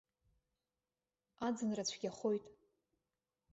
Аӡынра цәгьахоит.